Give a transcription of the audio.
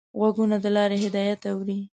غوږونه د لارې هدایت اوري